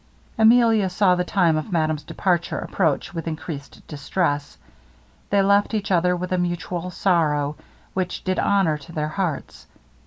Emilia saw the time of madame's departure approach with increased distress. They left each other with a mutual sorrow, which did honour to their hearts.